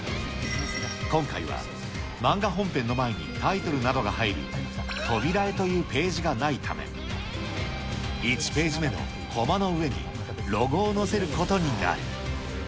今回は漫画本編の前にタイトルなどが入る扉絵というページがないため、１ページ目のコマの上にロゴを載せることになる。